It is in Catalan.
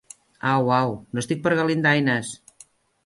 Au, au: no estic per galindaines!